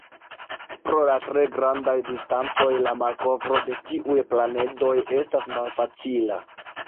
Pro la tre grandaj distancoj, la malkovro de tiuj planedoj estas malfacila.